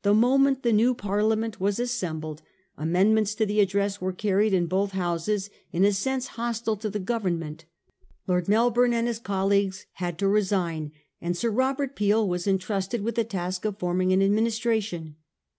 The moment the new Parliament was assembled amendments to the address were carried in both Houses in a sense hostile to the Government. Lord Melbourne and his colleagues had to resign, and Sir Robert Peel was en trusted with the task of forming an administration.